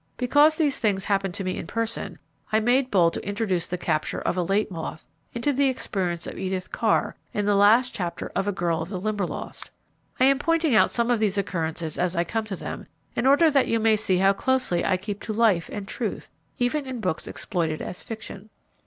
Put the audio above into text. Because these things happened to me in person, I made bold to introduce the capture of a late moth into the experience of Edith Carr in the last chapter of "A Girl of the Limberlost." I am pointing out some of these occurrences as I come to them, in order that you may see how closely I keep to life and truth, even in books exploited as fiction.